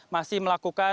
masih melakukan perubahan